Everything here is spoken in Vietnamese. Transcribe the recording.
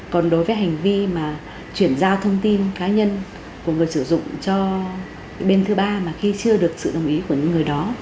còn đối với hành vi mà chuyển giao thông tin cá nhân của người sử dụng cho bên thứ ba mà khi chưa được sự đồng ý của những người đó